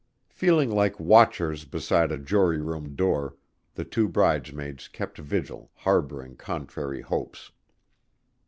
Feeling like watchers beside a jury room door, the two bridesmaids kept vigil, harboring contrary hopes.